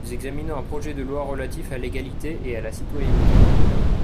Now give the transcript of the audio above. Nous examinons un projet de loi relatif à l’égalité et à la citoyenneté.